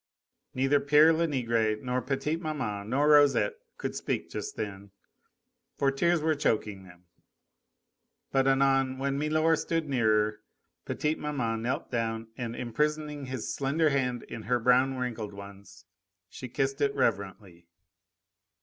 Neither pere Lenegre, nor petite maman, nor Rosette could speak just then, for tears were choking them, but anon when milor stood nearer, petite maman knelt down, and, imprisoning his slender hand in her brown, wrinkled ones, she kissed it reverently.